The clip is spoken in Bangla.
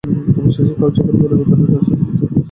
অবশেষে কালচক্রের পরিবর্তনে রাজর্ষির মৃত্যুকাল উপস্থিত হইল।